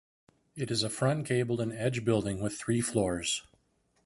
It is a front-gabled and edge building with three floors.